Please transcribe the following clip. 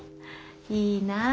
いいなあ。